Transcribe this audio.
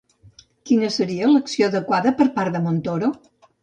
Quina seria l'acció adequada per part de Montoro?